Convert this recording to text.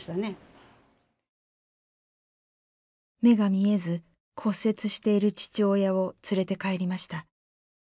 目が見えず骨折している父親を連れて帰りました。